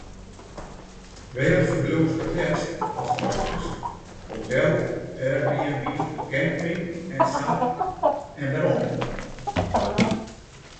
Wêr ferbliuwst it leafst ast reizgest, hotel, airbnb, camping, en sa en wêrom?